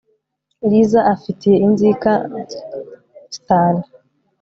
lisa afitiye inzika stan